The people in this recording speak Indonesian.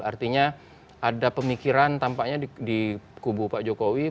artinya ada pemikiran tampaknya di kubu pak jokowi bahwa mereka memerlukan simbol